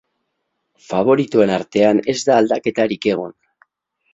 Faboritoen artean ez da aldaketarik egon.